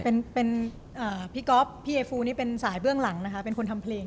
เป็นพี่ก๊อฟพี่ไอฟูนี่เป็นสายเบื้องหลังนะคะเป็นคนทำเพลง